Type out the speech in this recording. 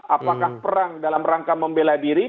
apakah perang dalam rangka membela diri